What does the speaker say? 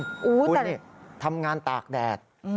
คุณนี่ทำงานตากแดด